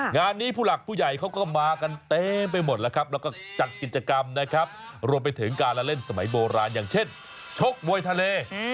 งานนี้ผู้หลักผู้ใหญ่เขาก็มากันเต็มไปหมดแล้วครับแล้วก็จัดกิจกรรมนะครับรวมไปถึงการละเล่นสมัยโบราณอย่างเช่นชกมวยทะเล